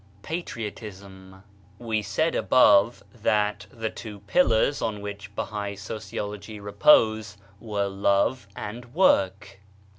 PATRIOTISM We said above that the two pillars on which Bahai sociology repose were Love and Work.